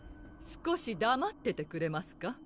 少しだまっててくれますか？